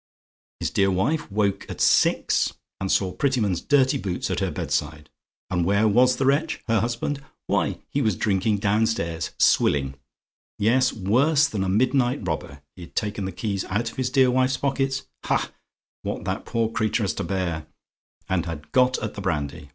His dear wife woke at six, and saw Prettyman's dirty boots at her bedside. And where was the wretch, her husband? Why, he was drinking downstairs swilling. Yes; worse than a midnight robber, he'd taken the keys out of his dear wife's pockets ha! what that poor creature has to bear! and had got at the brandy.